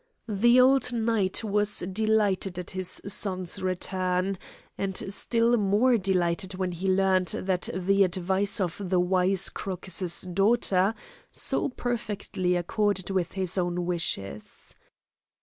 The old knight was delighted at his son's return, and still more delighted when he learned that the advice of the wise Crocus's daughter so perfectly accorded with his own wishes.